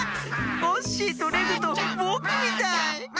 コッシーとレグとぼくみたい。